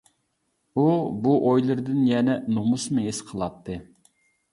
ئۇ بۇ ئويلىرىدىن يەنە نومۇسمۇ ھېس قىلاتتى.